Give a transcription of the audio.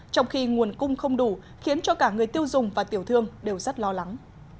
trong khi nguồn cung không đủ khiến cho cả người tiêu dùng và tiểu thương đều rất lo lắng